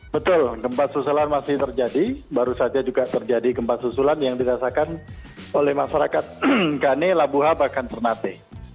betul gempa susulan masih terjadi baru saja juga terjadi gempa susulan yang dirasakan oleh masyarakat gane labuha bahkan ternate